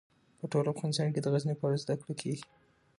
په ټول افغانستان کې د غزني په اړه زده کړه کېږي.